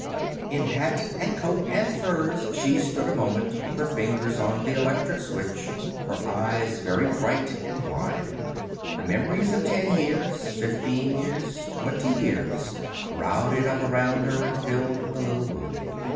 In hat and coat and furs she stood a moment, her fingers on the electric switch, her eyes very bright and wide. The memories of ten years, fifteen years, twenty years crowded up around her and filled the little room.